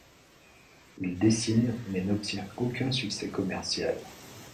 Il dessine mais n'obtient aucun succès commercial.